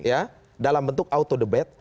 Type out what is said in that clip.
ya dalam bentuk auto debate